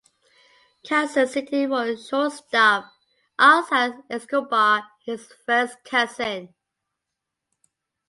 Kansas City Royals shortstop Alcides Escobar is his first cousin.